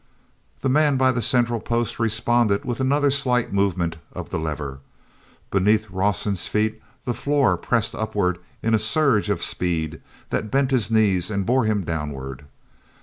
The man by the central post responded with another slight movement of the lever. Beneath Rawson's feet the floor pressed upward in a surge of speed that bent his knees and bore him downward.